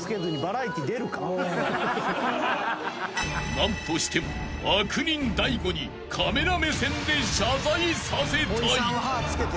［何としても悪人大悟にカメラ目線で謝罪させたい］